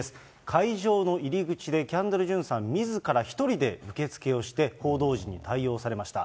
会場の入り口で、キャンドル・ジュンさんみずから一人で受け付けをして、報道陣に対応されました。